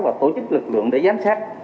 và tổ chức lực lượng để giám sát